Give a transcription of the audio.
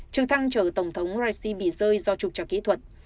trực thăng chở tổng thống raisi bị rơi do trục trạc kỹ thuật